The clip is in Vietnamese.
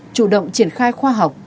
chủ động triển khai khoa học